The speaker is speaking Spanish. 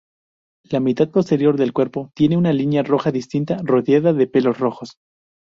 La mitad posterior del cuerpo tiene una línea roja distinta, rodeada de pelos rojos.